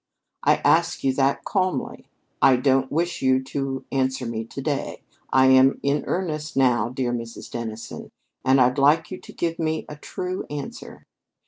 I ask you that calmly. I don't wish you to answer me to day. I'm in earnest now, dear Mrs. Dennison, and I'd like you to give me a true answer."